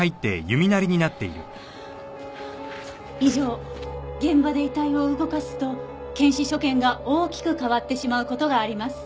以上現場で遺体を動かすと検視所見が大きく変わってしまう事があります。